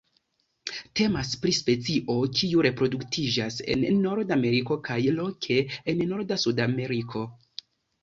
Temas pri specio kiu reproduktiĝas en Norda Ameriko kaj loke en norda Suda Ameriko.